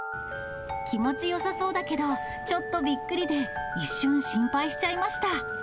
気持ちよさそうだけど、ちょっとびっくりで、一瞬心配しちゃいました。